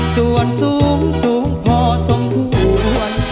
ส่วนสูงพอสมควร